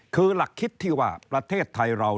คือหลักคิดที่ว่าประเทศไทยเรา